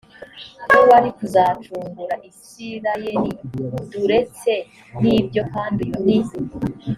we wari kuzacungura isirayeli d uretse n ibyo kandi uyu ni